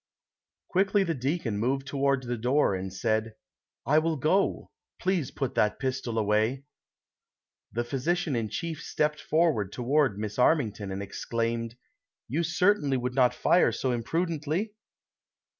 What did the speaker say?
ilUICKLY the deacon moved toward the door and said : "I will go ; please put that pistol away !" The physician in chief stepped forward toward Miss Armington and exclaimed :" You certainly would not fire so imprudently